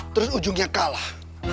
terus ujungnya kalah